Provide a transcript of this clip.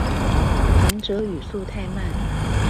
講者語速太慢